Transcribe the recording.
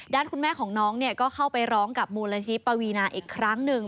ด้านคุณแม่ของน้องเนี่ยก็เข้าไปร้องกับมูลนิธิปวีนาอีกครั้งหนึ่ง